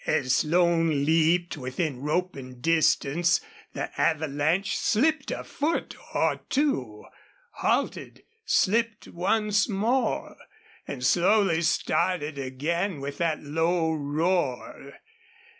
As Slone leaped within roping distance the avalanche slipped a foot or two, halted, slipped once more, and slowly started again with that low roar.